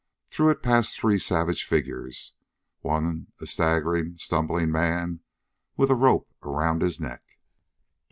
Through it passed three savage figures, one a staggering, stumbling man with a rope around his neck.